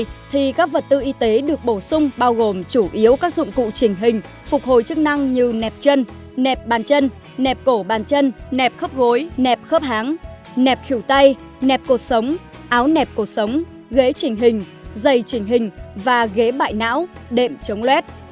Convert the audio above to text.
bảo hiểm y tế được bổ sung bao gồm chủ yếu các dụng cụ trình hình phục hồi chức năng như nẹp chân nẹp bàn chân nẹp cổ bàn chân nẹp khớp gối nẹp khớp háng nẹp khỉu tay nẹp cột sống áo nẹp cột sống ghế trình hình dày trình hình và ghế bại não đệm chống luet